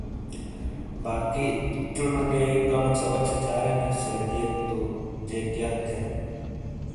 باقی چُونو ٹے کمیک سبق سیچارینیک سے گہ دئیت تو جیک یاد تھین نے ۔